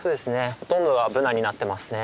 ほとんどがブナになってますね。